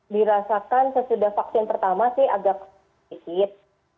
dirasakan sesudah vaksin pertama sih agak sedikit